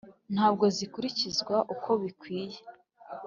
Ntabwo zikurikizwa uko bikwiye